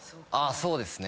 そうですね。